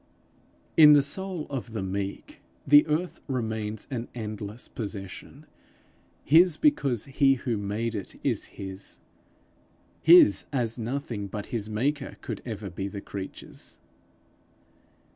In the soul of the meek, the earth remains an endless possession his because he who made it is his his as nothing but his maker could ever be the creature's.